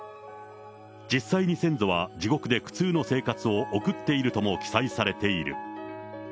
実際に先祖は、地獄で苦痛の生活を送っているとも記載されている。